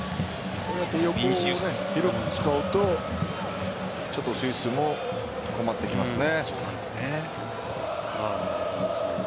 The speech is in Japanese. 横を広く使うとちょっとスイスも困ってきますね。